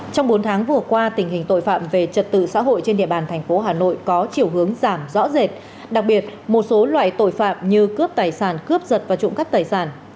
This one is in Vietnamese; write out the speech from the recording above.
trong bốn tháng vừa qua tình hình tội phạm về trật tự xã hội trên địa bàn thành phố hà nội có chiều hướng giảm rõ rệt đặc biệt một số loại tội phạm như cướp tài sản cướp giật và trộm cắp tài sản